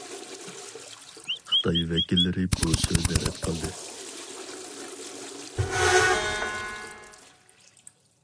خىتاي ۋەكىللىرى بۇ سۆزنى رەت قىلدى.